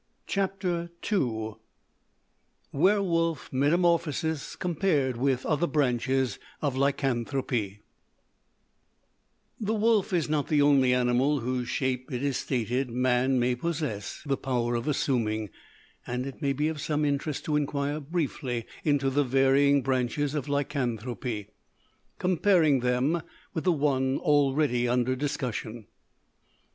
CHAPTER II WERWOLF METAMORPHOSIS COMPARED WITH OTHER BRANCHES OF LYCANTHROPY The wolf is not the only animal whose shape, it is stated, man may possess the power of assuming; and it may be of some interest to inquire briefly into the varying branches of lycanthropy, comparing them with the one already under discussion.